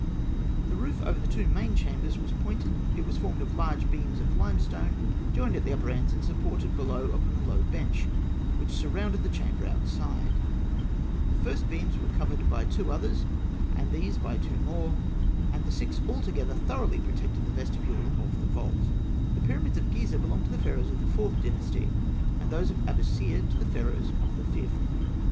The roof over the two main chambers was pointed (fig. 140). It was formed of large beams of limestone, joined at the upper ends, and supported below upon a low bench (1) which surrounded the chamber outside (Note 34). The first beams were covered by two others, and these by two more; and the six together (J) thoroughly protected the vestibule of the vault. [Illustration: Fig. 140. Section of the Pyramid of Ûnas.] The pyramids of Gizeh belonged to the Pharaohs of the Fourth Dynasty, and those of Abûsir to the Pharaohs of the Fifth.